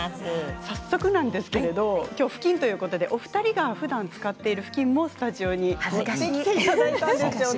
早速なんですが今日は、ふきんということでお二人がふだん使っているふきんを、スタジオにお持ちいただいたんですよね。